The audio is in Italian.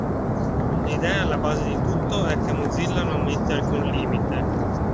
L’idea alla base di tutto è che Mozilla non mette alcun limite.